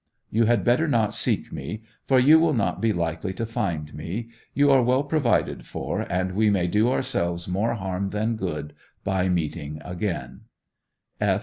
You had better not seek me, for you will not be likely to find me: you are well provided for, and we may do ourselves more harm than good by meeting again.